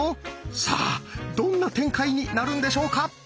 さあどんな展開になるんでしょうか？